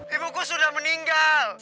ibuku sudah meninggal